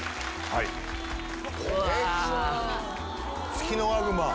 ツキノワグマ！